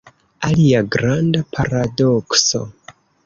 Alia granda paradokso.